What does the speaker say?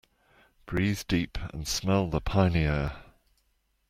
Breathe deep and smell the piny air.